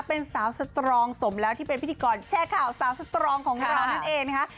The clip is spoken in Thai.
เป็นสาวสตรองสมแล้วที่เป็นพิธีกรแชร์ข่าวสาวสตรองของเรานั่นเองนะคะ